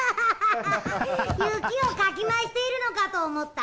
雪をかき回しているのかと思った。